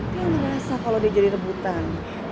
dia merasa kalau dia jadi rebutan